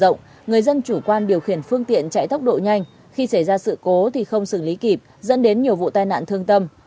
được nâng cấp mở rộng người dân chủ quan điều khiển phương tiện chạy tốc độ nhanh khi xảy ra sự cố thì không xử lý kịp dẫn đến nhiều vụ tai nạn thương tâm